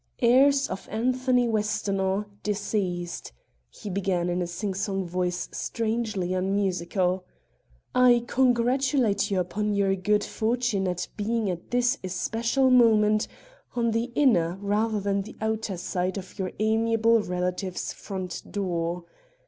"Heirs of Anthony Westonhaugh, deceased," he began in a sing song voice strangely unmusical, "I congratulate you upon your good fortune at being at this especial moment on the inner rather than outer side of your amiable relative's front door.